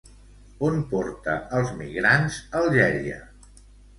On porta els migrants, Algèria?